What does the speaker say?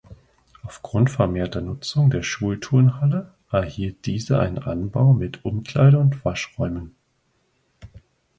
Aufgrund vermehrter Nutzung der Schulturnhalle erhielt diese einen Anbau mit Umkleide- und Waschräumen.